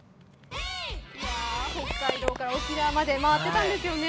北海道から沖縄まで回ってたんですよね。